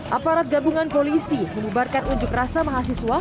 aparat gabungan polisi mengubarkan unjuk rasa mahasiswa